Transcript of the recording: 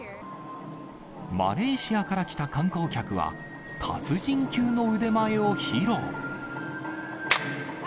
マレーシアから来た観光客は、達人級の腕前を披露。